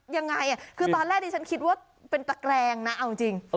ยังไงคือตอนแรกที่ฉันคิดว่าเป็นตะแกรงนะเอาจริง